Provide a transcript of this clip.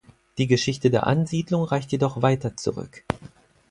Die Geschichte der Ansiedlung reicht jedoch weiter zurück.